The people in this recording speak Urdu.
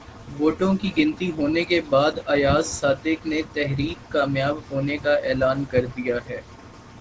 ووٹوں کی گنتی ہونے کے بعد ایاز صادق نے تحریک کامیاب ہونے کا اعلان کر دیا ہے